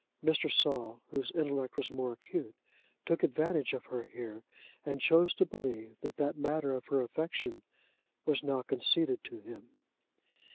Mr. Saul, whose intellect was more acute, took advantage of her here, and chose to believe that that matter of her affection was now conceded to him.